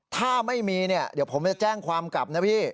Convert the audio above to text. ถ้าไม่มีเนี่ยเดี๋ยวผมจะแจ้งความกลับนะพี่